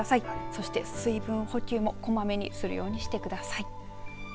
そして水分補給もこまめにするようにしてください。